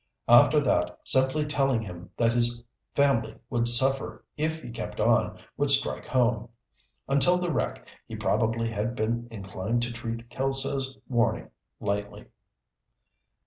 After that, simply telling him that his family would suffer if he kept on would strike home. Until the wreck, he probably had been inclined to treat Kelso's warning lightly.